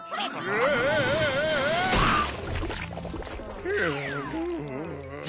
うう。